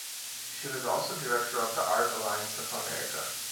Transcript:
She was also director of the Art Alliance of America.